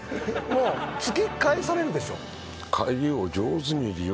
もう突き返されるでしょ